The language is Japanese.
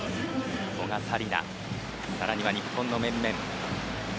古賀紗理那、更には日本の面々。